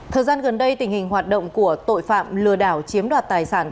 thời gian gần đây tình hình hoạt động của tội phạm lừa đảo chiếm đoạt tài sản